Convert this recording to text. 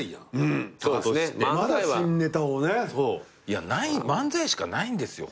いや漫才しかないんですよ